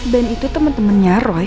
band itu temen temennya roy